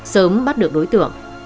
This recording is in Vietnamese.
sớm bắt được đối tượng